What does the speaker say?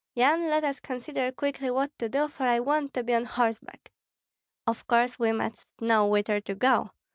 Yan, let us consider quickly what to do, for I want to be on horseback." "Of course we must know whither to go.